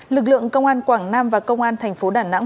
lực lượng công an quảng nam và công an thành phố đà nẵng